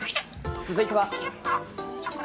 続いては。